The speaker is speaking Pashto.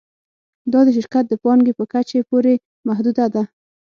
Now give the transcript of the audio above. دا د شرکت د پانګې په کچې پورې محدوده وه